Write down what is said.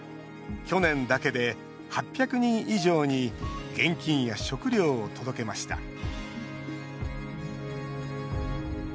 去年だけで８００人以上に現金や食料を届けました。